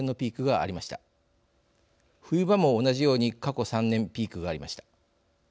冬場も同じように過去３年ピークがありました。